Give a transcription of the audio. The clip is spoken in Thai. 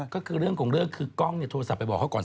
ก็ขอบคุณที่หลายคนที่เข้าใจ